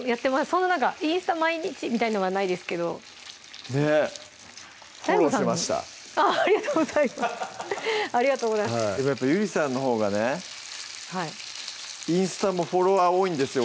そんななんかインスタ毎日みたいなんはないですけどねっフォローしましたありがとうございますありがとうございますでもやっぱゆりさんのほうがねインスタもフォロワー多いんですよ